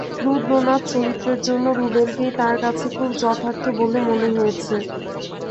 রুদ্রনাথ চরিত্রের জন্য রুবেলকেই তাঁর কাছে খুব যথার্থ বলে মনে হয়েছে।